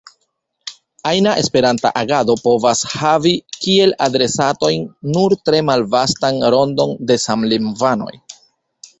Ajna Esperanta agado povas havi kiel adresatojn nur tre malvastan rondon de samlingvanoj.